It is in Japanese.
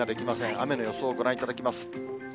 雨の予想をご覧いただきます。